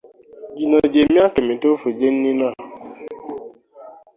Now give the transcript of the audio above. Gino gye myaka emituufu gye nnina.